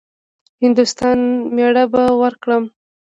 هـنـدوستانی ميړه به وکړم.